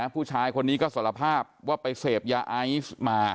ผู้ชายคนนี้ก็สารภาพว่าไปเสพยาไอซ์มา